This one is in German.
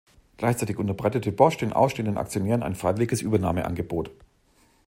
Gleichzeitig unterbreitete Bosch den ausstehenden Aktionären ein freiwilliges Übernahmeangebot.